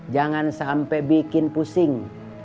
jangan sampai bikin pusing